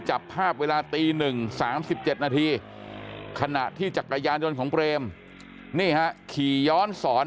จับภาพเวลาตี๑๓๗นาทีขณะที่จักรยานยนต์ของเปรมนี่ฮะขี่ย้อนสอน